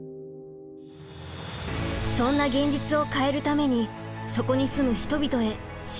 そんな現実を変えるためにそこに住む人々へ支援が届けられました。